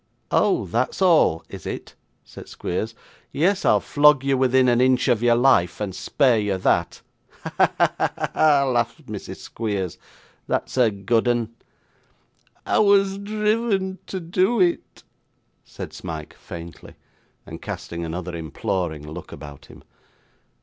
'Oh! that's all, is it?' said Squeers. 'Yes, I'll flog you within an inch of your life, and spare you that.' 'Ha, ha, ha,' laughed Mrs. Squeers, 'that's a good 'un!' 'I was driven to do it,' said Smike faintly; and casting another imploring look about him.